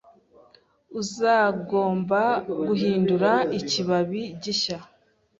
Uzagomba guhindura ikibabi gishya